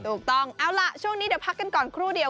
ถูกต้องเอาล่ะช่วงนี้เดี๋ยวพักกันก่อนครู่เดียว